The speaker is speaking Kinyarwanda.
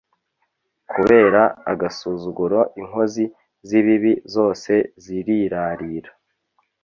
kubera agasuzuguro inkozi z’ ibibi zose zirirarira